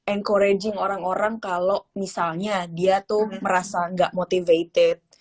encouraging orang orang kalau misalnya dia tuh merasa gak motivated